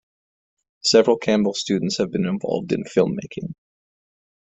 Several Campbell students have been involved in filmmaking.